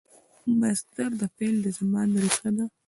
مصدر د فعل د زمان ریښه ده.